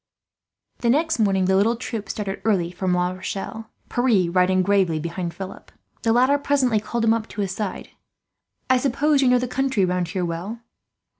The next morning the little troop started early from La Rochelle, Pierre riding gravely behind Philip. The latter presently called him up to his side. "I suppose you know the country round here well?"